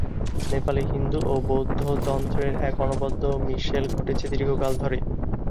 নেপালে হিন্দু ও বৌদ্ধ তন্ত্রের এক অনবদ্য মিশেল ঘটেছে দীর্ঘকাল ধরে।